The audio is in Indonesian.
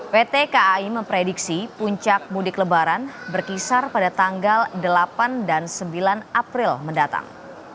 pt kai memprediksi puncak mudik lebaran berkisar pada tanggal delapan dan sembilan april mendatang